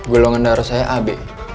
golongan darah saya a b